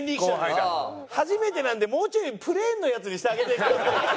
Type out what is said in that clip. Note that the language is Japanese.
初めてなんでもうちょいプレーンのやつにしてあげて。